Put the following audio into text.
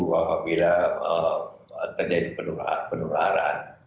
walaupun terjadi penularan